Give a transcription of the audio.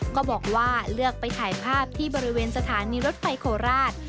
ก็บอกว่าเลือกไปถ่ายภาพที่บริเวณสถานีรถไฟโคราช